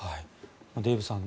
デーブさん